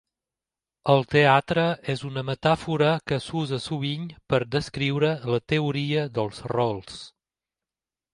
El teatre és una metàfora que s'usa sovint per descriure la teoria dels rols.